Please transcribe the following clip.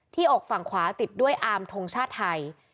อกฝั่งขวาติดด้วยอามทงชาติไทย